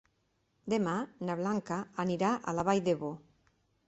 Demà na Blanca anirà a la Vall d'Ebo.